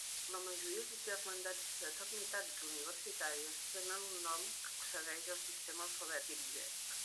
La majoria de germandats i fraternitats universitàries tenen un nom que segueix el sistema alfabètic grec.